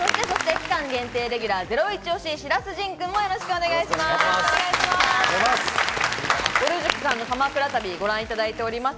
期間限定レギュラー、ゼロイチ推し・白洲迅君もよろしくお願いします。